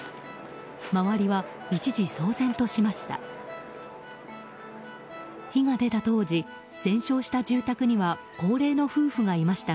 周りは一時騒然としました。